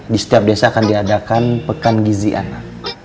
di setiap desa akan diadakan pekan gizi anak